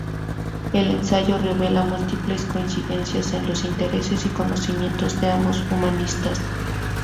El ensayo revela múltiples coincidencias en los intereses y conocimientos de ambos humanistas.